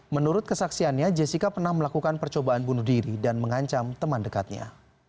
menurut kesaksiannya jessica pernah melakukan percobaan bunuh diri dan mengancam teman dekatnya